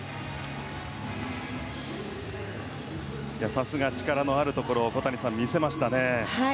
さすが、力のあるところを見せましたね。